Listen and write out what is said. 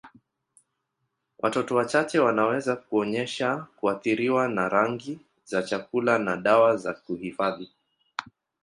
Watoto wachache wanaweza kuonyesha kuathiriwa na rangi za chakula na dawa za kuhifadhi.